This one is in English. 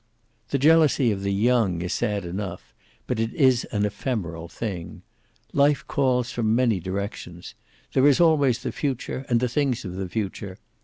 The jealousy of the young is sad enough, but it is an ephemeral thing. Life calls from many directions. There is always the future, and the things of the future.